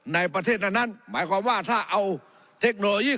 ในประเทศนั้นหมายความว่าถ้าเอาเทคโนโลยี